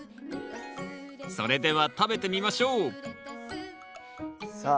それでは食べてみましょうさあ